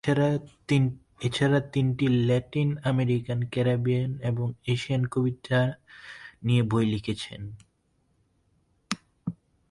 এছাড়া তিনি Latin American, Caribbean এবং এশিয়ান কবিতা নিয়ে বই লিখেছেন।